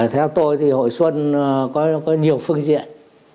theo tôi thì hội xuân có nhiều phương diện